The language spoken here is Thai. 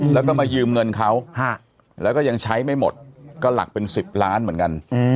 แล้วก็มายืมเงินเขาแล้วก็ยังใช้ไม่หมดก็หลักเป็น๑๐ล้านเหมือนกัน